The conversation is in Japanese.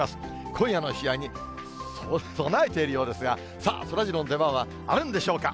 今夜の試合に備えているようですが、さあ、そらジローの出番はあるんでしょうか。